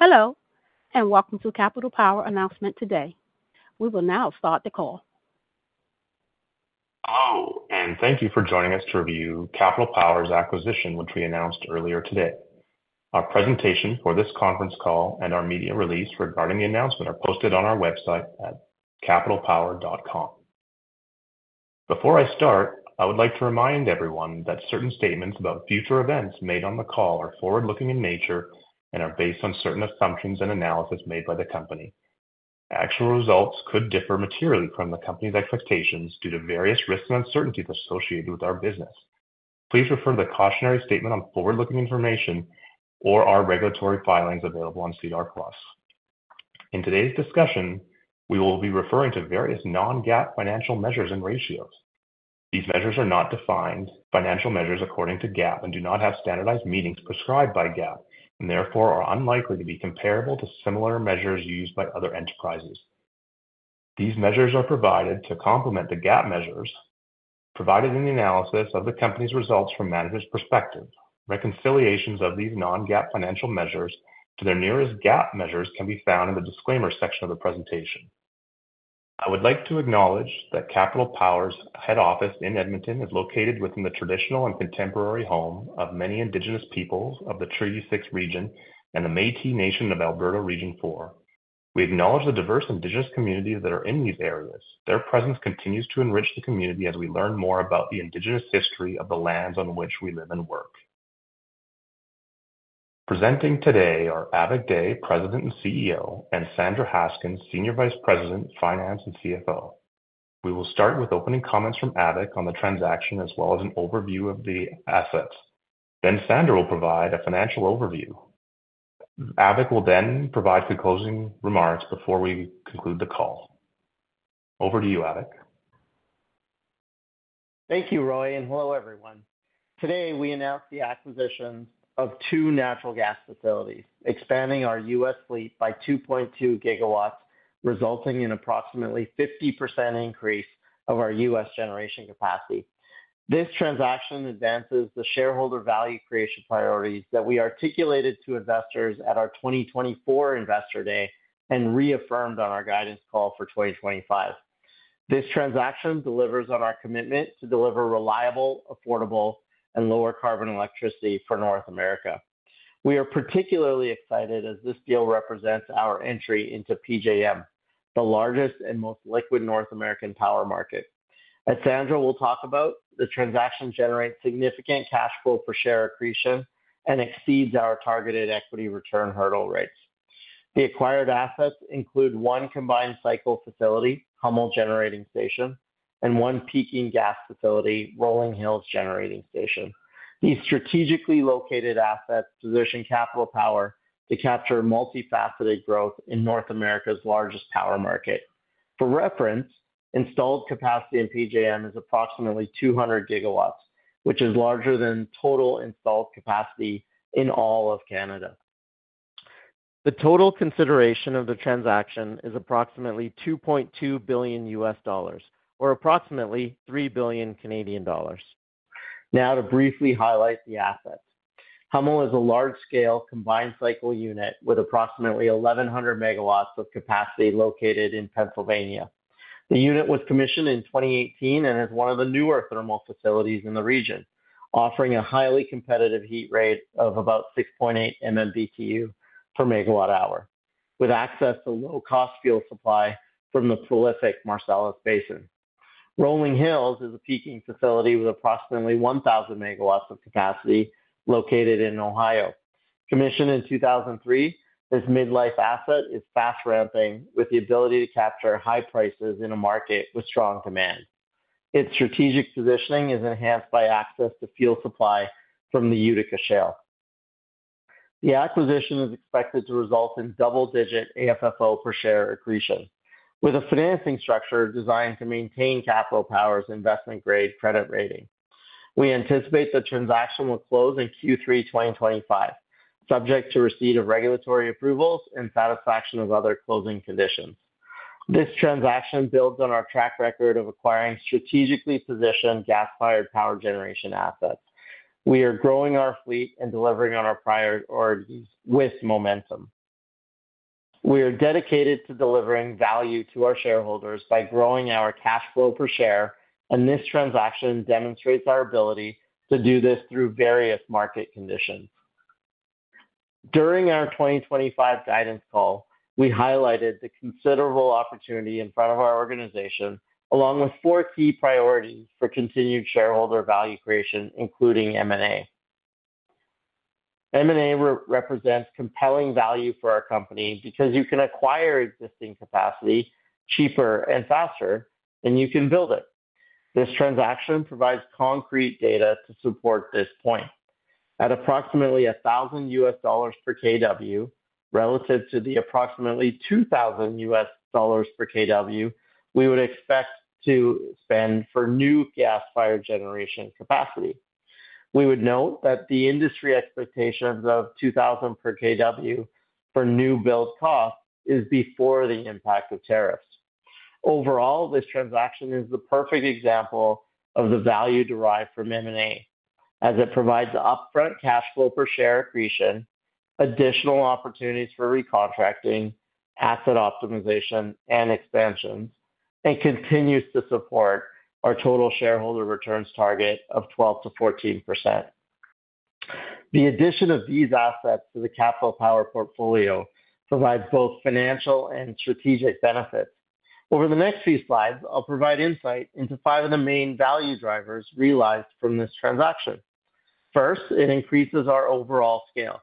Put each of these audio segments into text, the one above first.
Hello, and welcome to Capital Power announcement today. We will now start the call. Hello, and thank you for joining us to review Capital Power's acquisition, which we announced earlier today. Our presentation for this conference call and our media release regarding the announcement are posted on our website at capitalpower.com. Before I start, I would like to remind everyone that certain statements about future events made on the call are forward-looking in nature and are based on certain assumptions and analysis made by the company. Actual results could differ materially from the company's expectations due to various risks and uncertainties associated with our business. Please refer to the cautionary statement on forward-looking information or our regulatory filings available on SEDAR+. In today's discussion, we will be referring to various non-GAAP financial measures and ratios. These measures are not defined financial measures according to GAAP and do not have standardized meanings prescribed by GAAP, and therefore are unlikely to be comparable to similar measures used by other enterprises. These measures are provided to complement the GAAP measures provided in the analysis of the company's results from management's perspective. Reconciliations of these non-GAAP financial measures to their nearest GAAP measures can be found in the disclaimer section of the presentation. I would like to acknowledge that Capital Power's head office in Edmonton is located within the traditional and contemporary home of many Indigenous peoples of the Treaty Six region and the Métis Nation of Alberta Region Four. We acknowledge the diverse Indigenous communities that are in these areas. Their presence continues to enrich the community as we learn more about the Indigenous history of the lands on which we live and work. Presenting today are Avik Dey, President and CEO, and Sandra Haskins, Senior Vice President, Finance and CFO. We will start with opening comments from Avik on the transaction as well as an overview of the assets. Then Sandra will provide a financial overview. Avik will then provide concluding remarks before we conclude the call. Over to you, Avik. Thank you, Roy, and hello, everyone. Today, we announced the acquisition of two natural gas facilities, expanding our U.S. fleet by 2.2 GW, resulting in an approximately 50% increase of our U.S. generation capacity. This transaction advances the shareholder value creation priorities that we articulated to investors at our 2024 Investor Day and reaffirmed on our guidance call for 2025. This transaction delivers on our commitment to deliver reliable, affordable, and lower-carbon electricity for North America. We are particularly excited as this deal represents our entry into PJM, the largest and most liquid North American power market. As Sandra will talk about, the transaction generates significant cash flow per share accretion and exceeds our targeted equity return hurdle rates. The acquired assets include one combined cycle facility, Hummel Generating Station, and one peaking gas facility, Rolling Hills Generating Station. These strategically located assets position Capital Power to capture multifaceted growth in North America's largest power market. For reference, installed capacity in PJM is approximately 200 GW, which is larger than total installed capacity in all of Canada. The total consideration of the transaction is approximately $2.2 billion, or approximately 3 billion Canadian dollars. Now, to briefly highlight the assets, Hummel is a large-scale combined cycle unit with approximately 1,100 MW of capacity located in Pennsylvania. The unit was commissioned in 2018 and is one of the newer thermal facilities in the region, offering a highly competitive heat rate of about 6.8 MMBtu per megawatt hour, with access to low-cost fuel supply from the prolific Marcellus Basin. Rolling Hills is a peaking facility with approximately 1,000 MW of capacity located in Ohio. Commissioned in 2003, this mid-life asset is fast ramping with the ability to capture high prices in a market with strong demand. Its strategic positioning is enhanced by access to fuel supply from the Utica Shale. The acquisition is expected to result in double-digit AFFO per share accretion, with a financing structure designed to maintain Capital Power's investment-grade credit rating. We anticipate the transaction will close in Q3 2025, subject to receipt of regulatory approvals and satisfaction of other closing conditions. This transaction builds on our track record of acquiring strategically positioned gas-fired power generation assets. We are growing our fleet and delivering on our priorities with momentum. We are dedicated to delivering value to our shareholders by growing our cash flow per share, and this transaction demonstrates our ability to do this through various market conditions. During our 2025 guidance call, we highlighted the considerable opportunity in front of our organization, along with four key priorities for continued shareholder value creation, including M&A. M&A represents compelling value for our company because you can acquire existing capacity cheaper and faster than you can build it. This transaction provides concrete data to support this point. At approximately $1,000 per kW, relative to the approximately $2,000 per kW, we would expect to spend for new gas-fired generation capacity. We would note that the industry expectations of $2,000 per kW for new build costs is before the impact of tariffs. Overall, this transaction is the perfect example of the value derived from M&A, as it provides upfront cash flow per share accretion, additional opportunities for recontracting, asset optimization, and expansions, and continues to support our total shareholder returns target of 12%-14%. The addition of these assets to the Capital Power portfolio provides both financial and strategic benefits. Over the next few slides, I'll provide insight into five of the main value drivers realized from this transaction. First, it increases our overall scale.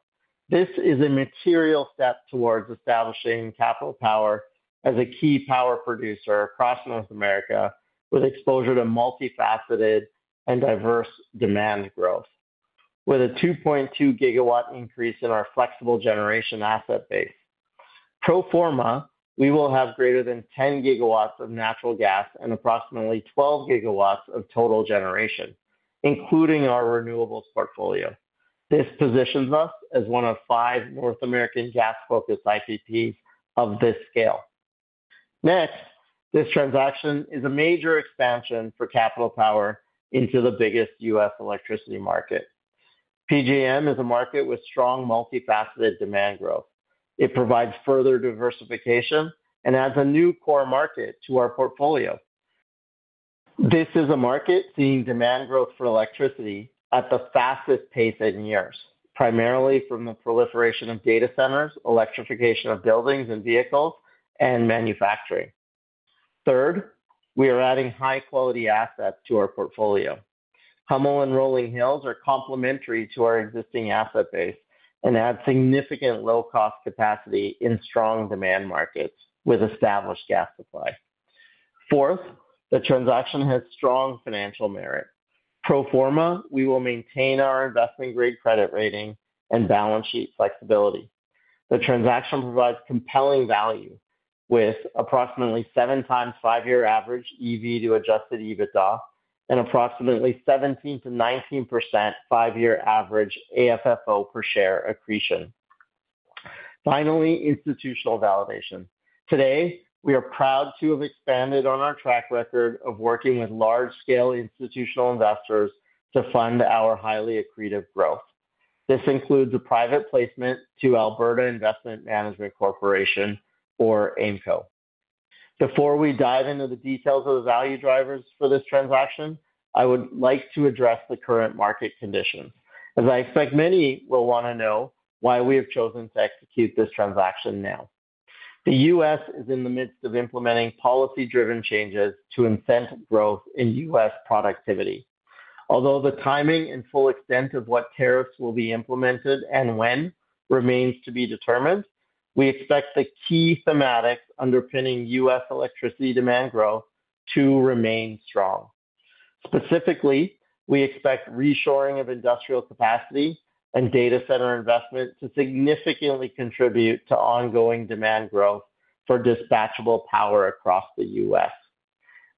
This is a material step towards establishing Capital Power as a key power producer across North America, with exposure to multifaceted and diverse demand growth, with a 2.2 GW increase in our flexible generation asset base. Pro forma, we will have greater than 10 GW of natural gas and approximately 12 GW of total generation, including our renewables portfolio. This positions us as one of five North American gas-focused IPPs of this scale. Next, this transaction is a major expansion for Capital Power into the biggest U.S. electricity market. PJM is a market with strong multifaceted demand growth. It provides further diversification and adds a new core market to our portfolio. This is a market seeing demand growth for electricity at the fastest pace in years, primarily from the proliferation of data centers, electrification of buildings and vehicles, and manufacturing. Third, we are adding high-quality assets to our portfolio. Hummel and Rolling Hills are complementary to our existing asset base and add significant low-cost capacity in strong demand markets with established gas supply. Fourth, the transaction has strong financial merit. Pro forma, we will maintain our investment-grade credit rating and balance sheet flexibility. The transaction provides compelling value with approximately seven times five-year average EV to Adjusted EBITDA and approximately 17%-19% five-year average AFFO per share accretion. Finally, institutional validation. Today, we are proud to have expanded on our track record of working with large-scale institutional investors to fund our highly accretive growth. This includes a private placement to Alberta Investment Management Corporation, or AIMCo. Before we dive into the details of the value drivers for this transaction, I would like to address the current market conditions, as I expect many will want to know why we have chosen to execute this transaction now. The U.S. is in the midst of implementing policy-driven changes to incent growth in U.S. productivity. Although the timing and full extent of what tariffs will be implemented and when remains to be determined, we expect the key thematics underpinning U.S. electricity demand growth to remain strong. Specifically, we expect reshoring of industrial capacity and data center investment to significantly contribute to ongoing demand growth for dispatchable power across the U.S.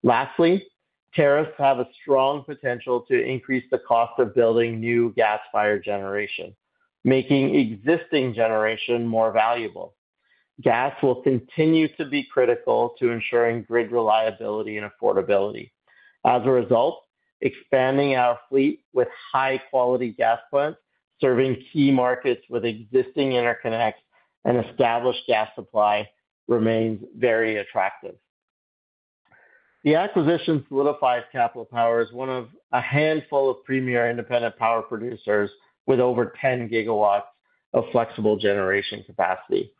Lastly, tariffs have a strong potential to increase the cost of building new gas-fired generation, making existing generation more valuable. Gas will continue to be critical to ensuring grid reliability and affordability. As a result, expanding our fleet with high-quality gas plants, serving key markets with existing interconnects and established gas supply remains very attractive. The acquisition solidifies Capital Power as one of a handful of premier independent power producers with over 10 GW of flexible generation capacity.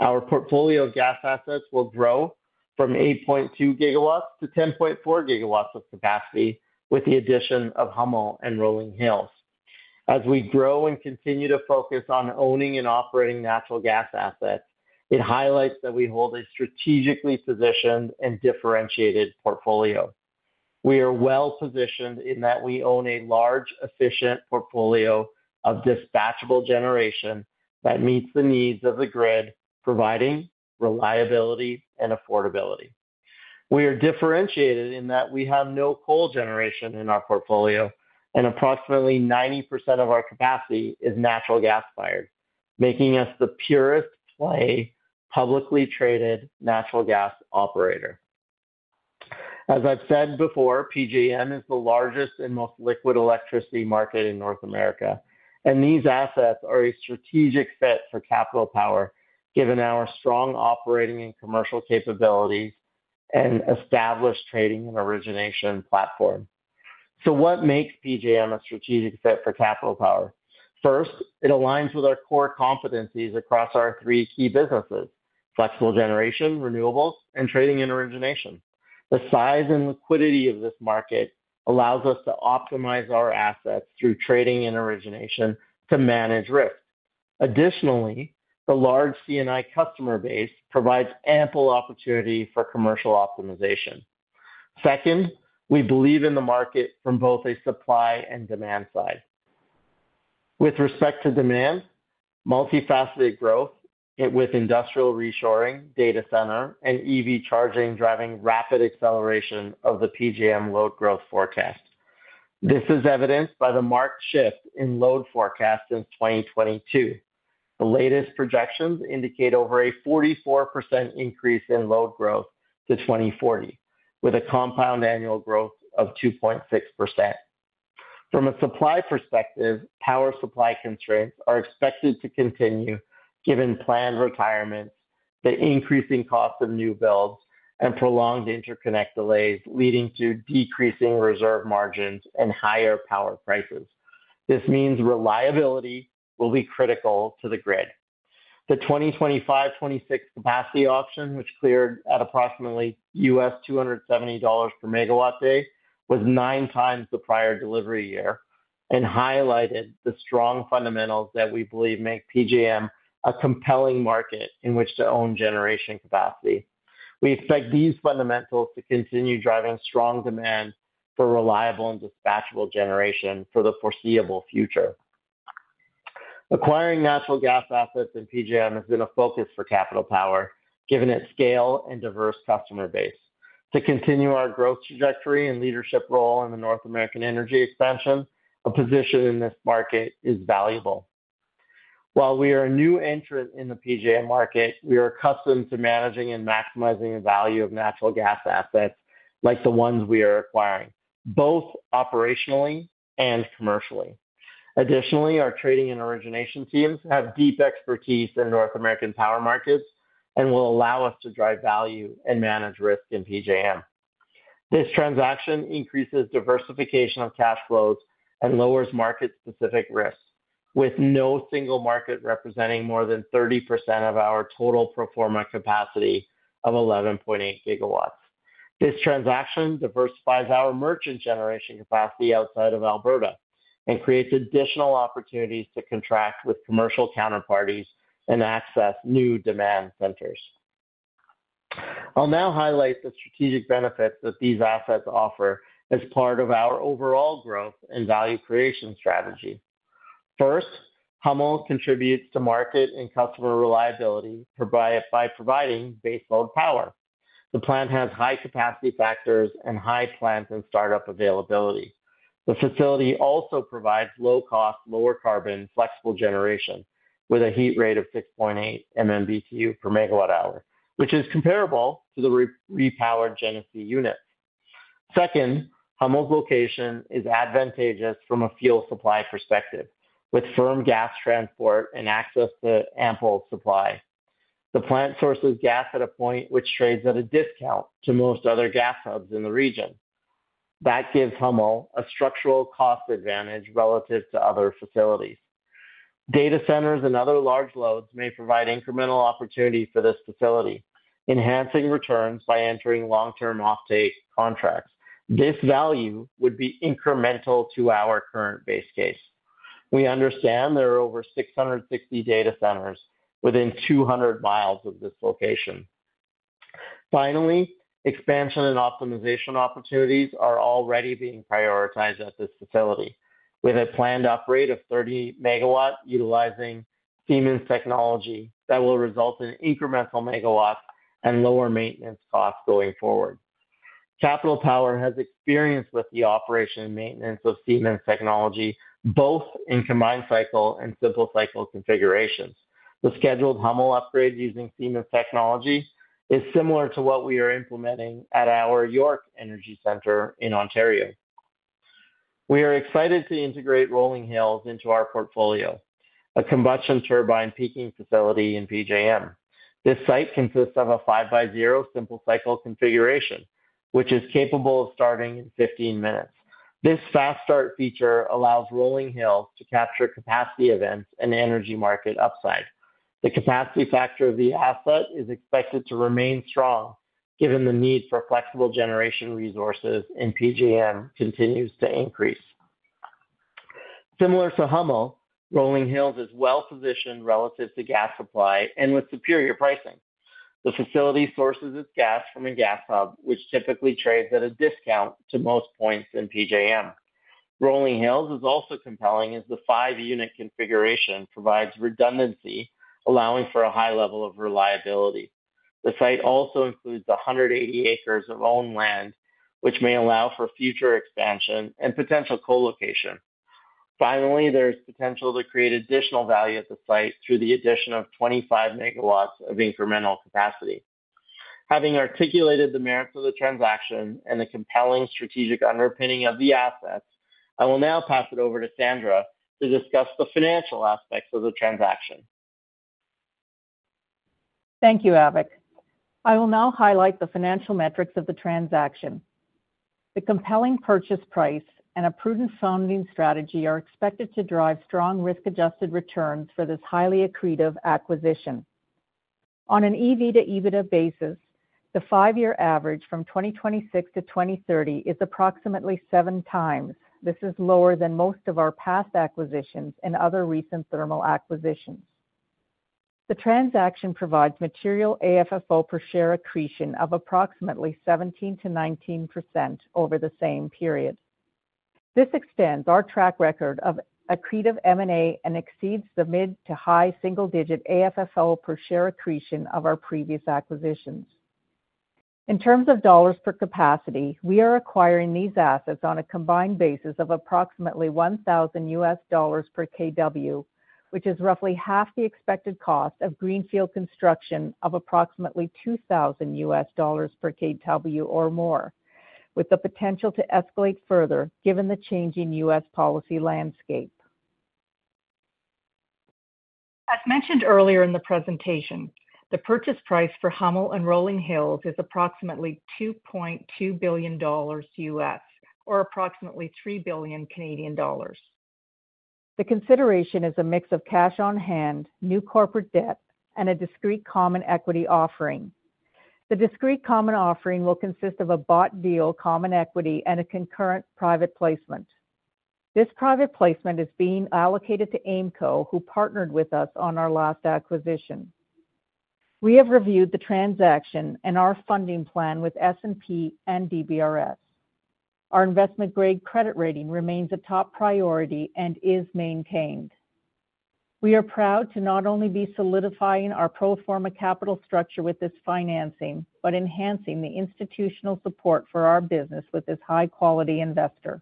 Our portfolio of gas assets will grow from 8.2 GW to 10.4 GW of capacity with the addition of Hummel and Rolling Hills. As we grow and continue to focus on owning and operating natural gas assets, it highlights that we hold a strategically positioned and differentiated portfolio. We are well-positioned in that we own a large, efficient portfolio of dispatchable generation that meets the needs of the grid, providing reliability and affordability. We are differentiated in that we have no coal generation in our portfolio, and approximately 90% of our capacity is natural gas-fired, making us the purest-play publicly traded natural gas operator. As I've said before, PJM is the largest and most liquid electricity market in North America, and these assets are a strategic fit for Capital Power, given our strong operating and commercial capabilities and established trading and origination platform. What makes PJM a strategic fit for Capital Power? First, it aligns with our core competencies across our three key businesses: Flexible Generation, Renewables, and Trading and Origination. The size and liquidity of this market allows us to optimize our assets through Trading and Origination to manage risk. Additionally, the large C&I customer base provides ample opportunity for commercial optimization. Second, we believe in the market from both a supply and demand side. With respect to demand, multifaceted growth with industrial reshoring, data center, and EV charging driving rapid acceleration of the PJM load growth forecast. This is evidenced by the marked shift in load forecast since 2022. The latest projections indicate over a 44% increase in load growth to 2040, with a compound annual growth of 2.6%. From a supply perspective, power supply constraints are expected to continue given planned retirements, the increasing cost of new builds, and prolonged interconnect delays leading to decreasing reserve margins and higher power prices. This means reliability will be critical to the grid. The 2025-2026 capacity auction, which cleared at approximately $270 per megawatt day, was nine times the prior delivery year and highlighted the strong fundamentals that we believe make PJM a compelling market in which to own generation capacity. We expect these fundamentals to continue driving strong demand for reliable and dispatchable generation for the foreseeable future. Acquiring natural gas assets in PJM has been a focus for Capital Power, given its scale and diverse customer base. To continue our growth trajectory and leadership role in the North American energy expansion, a position in this market is valuable. While we are a new entrant in the PJM market, we are accustomed to managing and maximizing the value of natural gas assets like the ones we are acquiring, both operationally and commercially. Additionally, our trading and origination teams have deep expertise in North American power markets and will allow us to drive value and manage risk in PJM. This transaction increases diversification of cash flows and lowers market-specific risks, with no single market representing more than 30% of our total pro forma capacity of 11.8 GW. This transaction diversifies our merchant generation capacity outside of Alberta and creates additional opportunities to contract with commercial counterparties and access new demand centers. I'll now highlight the strategic benefits that these assets offer as part of our overall growth and value creation strategy. First, Hummel contributes to market and customer reliability by providing base load power. The plant has high capacity factors and high plant and startup availability. The facility also provides low-cost, lower-carbon flexible generation with a heat rate of 6.8 MMBtu per megawatt hour, which is comparable to the repowered Genesee units. Second, Hummel's location is advantageous from a fuel supply perspective, with firm gas transport and access to ample supply. The plant sources gas at a point which trades at a discount to most other gas hubs in the region. That gives Hummel a structural cost advantage relative to other facilities. Data centers and other large loads may provide incremental opportunity for this facility, enhancing returns by entering long-term offtake contracts. This value would be incremental to our current base case. We understand there are over 660 data centers within 200 mi of this location. Finally, expansion and optimization opportunities are already being prioritized at this facility with a planned upgrade of 30 MW utilizing Siemens technology that will result in incremental megawatts and lower maintenance costs going forward. Capital Power has experience with the operation and maintenance of Siemens technology, both in combined cycle and simple cycle configurations. The scheduled Hummel upgrade using Siemens technology is similar to what we are implementing at our York Energy Centre in Ontario. We are excited to integrate Rolling Hills into our portfolio, a combustion turbine peaking facility in PJM. This site consists of a 5x0 simple-cycle configuration, which is capable of starting in 15 minutes. This fast start feature allows Rolling Hills to capture capacity events and energy market upside. The capacity factor of the asset is expected to remain strong given the need for flexible generation resources in PJM continues to increase. Similar to Hummel, Rolling Hills is well-positioned relative to gas supply and with superior pricing. The facility sources its gas from a gas hub, which typically trades at a discount to most points in PJM. Rolling Hills is also compelling as the five-unit configuration provides redundancy, allowing for a high level of reliability. The site also includes 180 acres of owned land, which may allow for future expansion and potential co-location. Finally, there is potential to create additional value at the site through the addition of 25 MW of incremental capacity. Having articulated the merits of the transaction and the compelling strategic underpinning of the assets, I will now pass it over to Sandra to discuss the financial aspects of the transaction. Thank you, Avik. I will now highlight the financial metrics of the transaction. The compelling purchase price and a prudent funding strategy are expected to drive strong risk-adjusted returns for this highly accretive acquisition. On an EV to EBITDA basis, the five-year average from 2026 to 2030 is approximately seven times. This is lower than most of our past acquisitions and other recent thermal acquisitions. The transaction provides material AFFO per share accretion of approximately 17%-19% over the same period. This extends our track record of accretive M&A and exceeds the mid to high single-digit AFFO per share accretion of our previous acquisitions. In terms of dollars per capacity, we are acquiring these assets on a combined basis of approximately $1,000 per kW, which is roughly half the expected cost of greenfield construction of approximately $2,000 per kW or more, with the potential to escalate further given the changing U.S. policy landscape. As mentioned earlier in the presentation, the purchase price for Hummel and Rolling Hills is approximately $2.2 billion, or approximately 3 billion Canadian dollars. The consideration is a mix of cash on hand, new corporate debt, and a discrete common equity offering. The discrete common offering will consist of a bought deal common equity and a concurrent private placement. This private placement is being allocated to AIMCo, who partnered with us on our last acquisition. We have reviewed the transaction and our funding plan with S&P and DBRS. Our investment-grade credit rating remains a top priority and is maintained. We are proud to not only be solidifying our pro forma capital structure with this financing, but enhancing the institutional support for our business with this high-quality investor.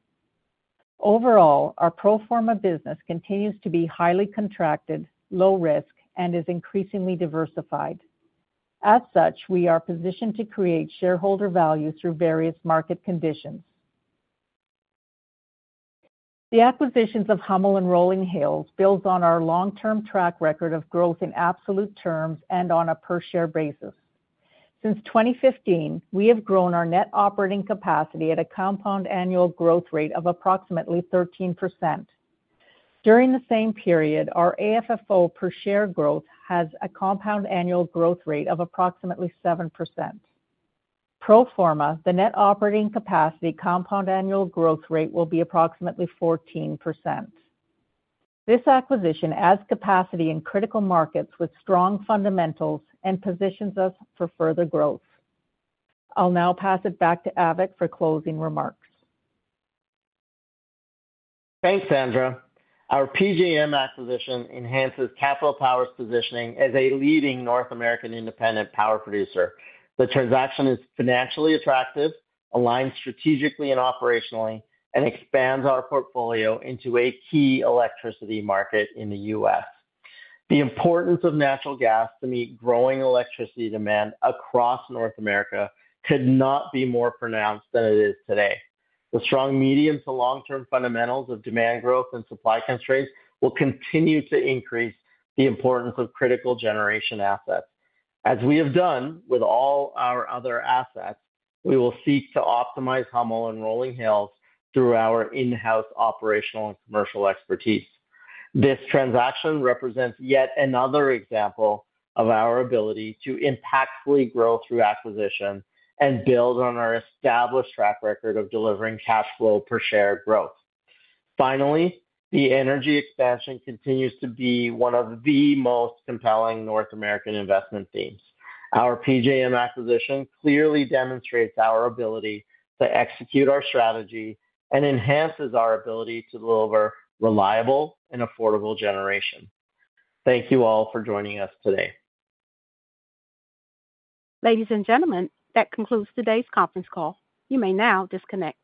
Overall, our pro forma business continues to be highly contracted, low-risk, and is increasingly diversified. As such, we are positioned to create shareholder value through various market conditions. The acquisitions of Hummel and Rolling Hills build on our long-term track record of growth in absolute terms and on a per-share basis. Since 2015, we have grown our net operating capacity at a compound annual growth rate of approximately 13%. During the same period, our AFFO per share growth has a compound annual growth rate of approximately 7%. Pro forma, the net operating capacity compound annual growth rate will be approximately 14%. This acquisition adds capacity in critical markets with strong fundamentals and positions us for further growth. I'll now pass it back to Avik for closing remarks. Thanks, Sandra. Our PJM acquisition enhances Capital Power's positioning as a leading North American independent power producer. The transaction is financially attractive, aligns strategically and operationally, and expands our portfolio into a key electricity market in the U.S. The importance of natural gas to meet growing electricity demand across North America could not be more pronounced than it is today. The strong medium to long-term fundamentals of demand growth and supply constraints will continue to increase the importance of critical generation assets. As we have done with all our other assets, we will seek to optimize Hummel and Rolling Hills through our in-house operational and commercial expertise. This transaction represents yet another example of our ability to impactfully grow through acquisition and build on our established track record of delivering cash flow per share growth. Finally, the energy expansion continues to be one of the most compelling North American investment themes. Our PJM acquisition clearly demonstrates our ability to execute our strategy and enhances our ability to deliver reliable and affordable generation. Thank you all for joining us today. Ladies and gentlemen, that concludes today's conference call. You may now disconnect.